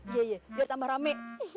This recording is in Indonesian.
iya iya biar tambah rame